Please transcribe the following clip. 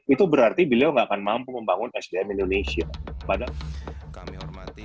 itu berarti dia tidak akan mampu membangun sdm indonesia